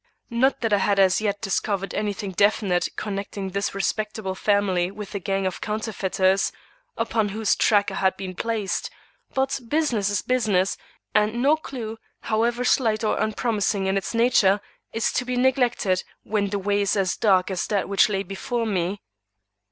Not that I had as yet discovered any thing definite connecting this respectable family with the gang of counterfeiters upon whose track I had been placed; but business is business, and no clue, however slight or unpromising in its nature, is to be neglected when the way is as dark as that which lay before me.